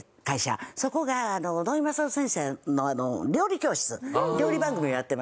そこが土井勝先生の料理教室料理番組をやってまして。